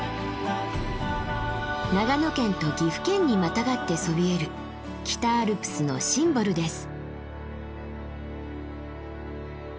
長野県と岐阜県にまたがってそびえる北アルプスのシンボルです。